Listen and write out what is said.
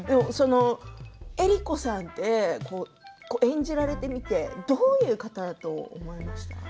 江里子さんって演じられてみてどういう方だと思いましたか？